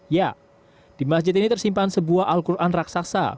ya di masjid ini tersimpan sebuah al quran raksasa